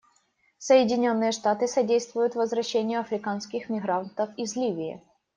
Соединенные Штаты содействуют возвращению африканских мигрантов из Ливии.